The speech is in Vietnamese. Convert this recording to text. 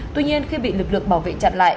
tuy nhiên khi bị lực lượng bảo vệ chặt lại